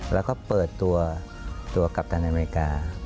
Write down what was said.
แล้วก็เปิดตัวกัปตันอเมริกา